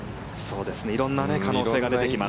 色んな可能性が出てきます。